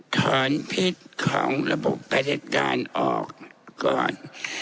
ถอนพิษของระบบประเด็จการออกก่อน